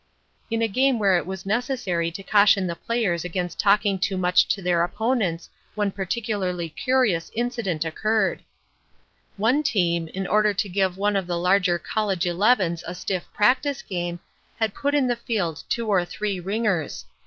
"In a game where it was necessary to caution the players against talking too much to their opponents one particularly curious incident occurred. "One team, in order to give one of the larger college elevens a stiff practice game, had put in the field two or three ringers.